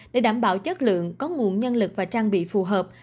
để đảm bảo chất lượng có nguồn nhân lực và trang bị phù hợp